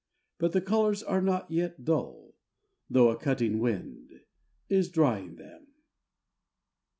. but the colours are not yet dull, though a cutting wind is drying them.